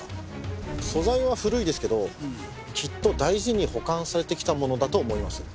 素材は古いですけどきっと大事に保管されてきたものだと思います。